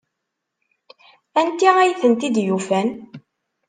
Anti ay tent-id-yufan?